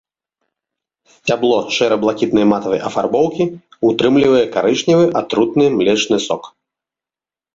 Сцябло шэра-блакітнай матавай афарбоўкі ўтрымлівае карычневы атрутны млечны сок.